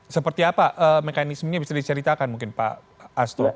seperti apa mekanismenya bisa diceritakan mungkin pak asto